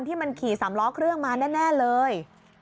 ที่มันขี่สามล้อเครื่องมาแน่เลย